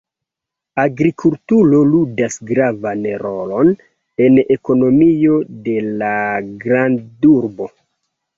Agrikulturo ludas gravan rolon en ekonomio de la grandurbo.